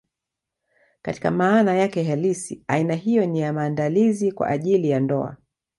Katika maana yake halisi, aina hiyo ni ya maandalizi kwa ajili ya ndoa.